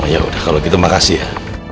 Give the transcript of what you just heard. ya udah kalau gitu makasih ya